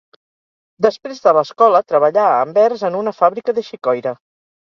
Després de l'escola, treballà a Anvers en una fàbrica de xicoira.